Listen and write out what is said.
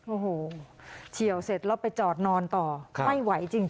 โอ้โหเฉียวเสร็จแล้วไปจอดนอนต่อไม่ไหวจริง